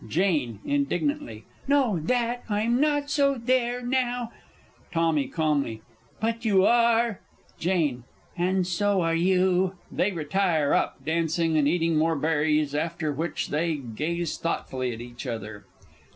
Jane (indignantly). No, that I'm not, so there now! Tommy (calmly). But you are! Jane. And so are you! [_They retire up, dancing, and eat more berries after which they gaze thoughtfully at each other.